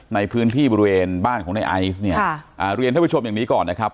ในพื้นที่บริเวณบ้านของในไอซ์เนี่ยเรียนท่านผู้ชมอย่างนี้ก่อนนะครับ